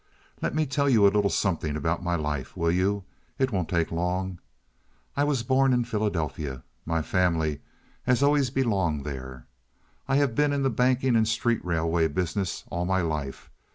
"Let me tell you a little something about my life, will you? It won't take long. I was born in Philadelphia. My family had always belonged there. I have been in the banking and street railway business all my life.